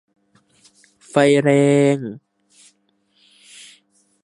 ไฟแรง !